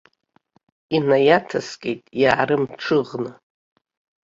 Инаиаҭаскит иаарымҽыӷны.